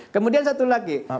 kemudian satu lagi